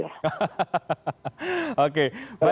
hahaha oke baik